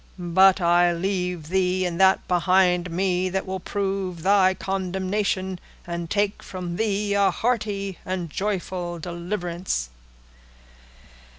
"But I leave thee, and that behind me that will prove thy condemnation, and take from thee a hearty and joyful deliverance."